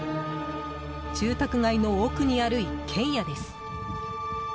住宅街の奥にある一軒家です。